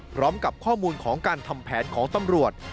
พร้อมกับข้อมูลของการทำแผนของตำรวจ